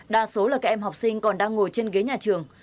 đa số là các em học sinh còn đang ngồi trên ghế nhà trường